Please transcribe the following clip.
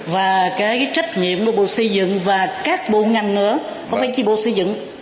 và cái trách nhiệm của bộ xây dựng và các bộ ngành nữa không phải chỉ bộ xây dựng